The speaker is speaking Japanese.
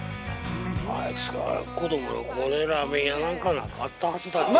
あいつが子どもの頃ラーメン屋なんかなかったはずだけどな。